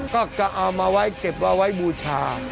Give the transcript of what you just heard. ก็เอามาไว้เก็บเอาไว้บูชา